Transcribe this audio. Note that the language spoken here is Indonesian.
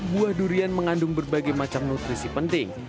buah durian mengandung berbagai macam nutrisi penting